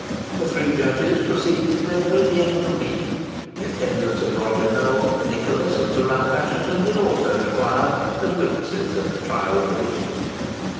The three judges proceeded thither at the end of the week. The attendance of Roger Nowell, Nicholas, and Sir Ralph Assheton, was also required as witnesses at the trial of the witches.